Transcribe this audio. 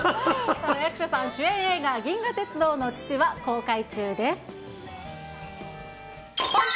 役所さん主演映画、銀河鉄道の父は、公開中です。